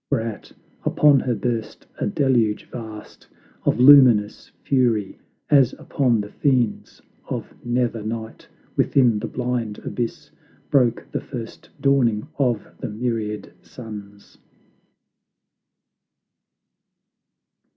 Whereat, upon her burst a deluge vast Of luminous fury, as upon the fiends Of nether night within the blind abyss, Broke the first dawning of the myriad suns!